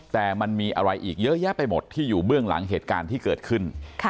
แต่มันมีอะไรอีกเยอะแยะไปหมดที่อยู่เบื้องหลังเหตุการณ์ที่เกิดขึ้น